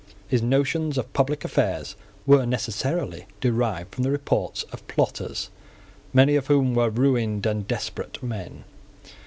His notions of public affairs were necessarily derived from the reports of plotters, many of whom were ruined and desperate men.